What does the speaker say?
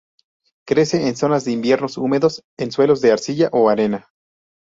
Crece en zonas de inviernos húmedos, en suelos de arcilla o arena.